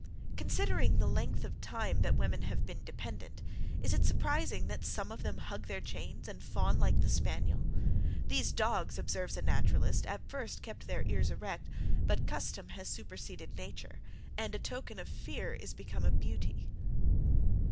Considering the length of time that women have been dependent, is it surprising that some of them hug their chains, and fawn like the spaniel? "These dogs," observes a naturalist, "at first kept their ears erect; but custom has superseded nature, and a token of fear is become a beauty."